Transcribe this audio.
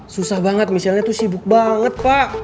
susah banget misalnya tuh sibuk banget pak